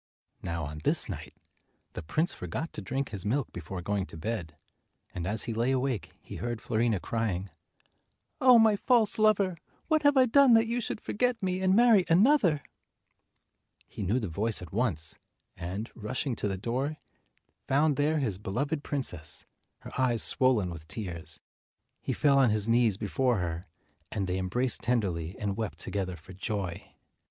Now on this night, the prince forgot to drink his milk before going to bed, and as he lay awake he heard Fiorina crying, "Oh, my false lover ! What have I done that you should forget me and marry another?" He knew the voice at once, and, rushing to the door, found there his beloved princess, her eyes swollen with tears. He fell on his knees before her, and they embraced tenderly and wept together for joy.